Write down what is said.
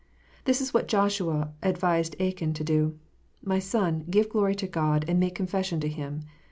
This is what Joshua advised Achan to do : "My son, give glory to God, and make confession to Him."